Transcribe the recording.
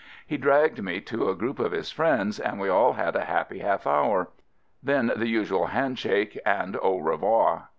He dragged me to a group of his friends and we all had a happy half hour. Then the usual handshake and au revoir.